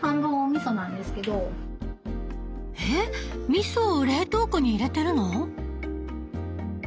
えっみそを冷凍庫に入れてるの？